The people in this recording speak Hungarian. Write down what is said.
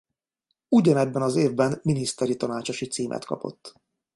Ugyanebben az évben miniszteri tanácsosi címet kapott.